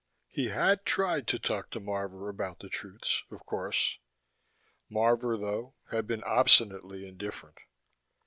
He had tried to talk to Marvor about the truths, of course. Marvor, though, had been obstinately indifferent.